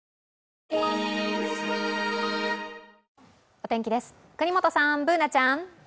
お天気です、國本さん、Ｂｏｏｎａちゃん。